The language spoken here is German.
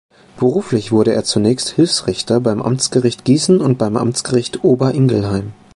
Beruflich wurde er zunächst Hilfs-Richter beim Amtsgericht Gießen und beim Amtsgericht Ober-Ingelheim.